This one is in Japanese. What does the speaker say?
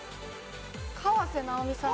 河直美さん？